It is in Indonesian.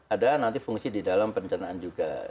ada nanti fungsi di dalam pencernaan juga